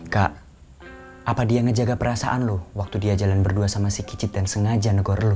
kak apa dia ngejaga perasaan loh waktu dia jalan berdua sama si kicit dan sengaja negor luka